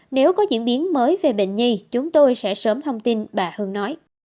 nếu có diễn biến mới về bệnh nhi chúng tôi sẽ sớm thông tin bà hương nói